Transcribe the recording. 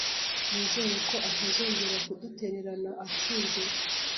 Nizere ko atazongera kudutererana atinze